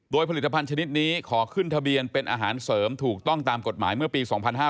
โดยผลิตภัณฑ์ชนิดนี้ขอขึ้นทะเบียนเป็นอาหารเสริมถูกต้องตามกฎหมายเมื่อปี๒๕๕๙